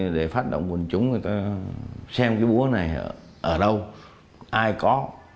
để phát động quân chúng người ta xem cái bố này ở đâu ai có